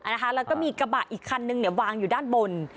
แล้วก็มีกระบะอีกคันนึงวางอยู่ด้านบน